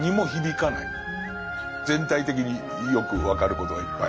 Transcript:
全体的によく分かることがいっぱい。